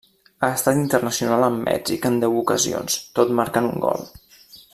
Ha estat internacional amb Mèxic en deu ocasions, tot marcant un gol.